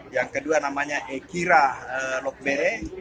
yang kedua namanya ekira lokbere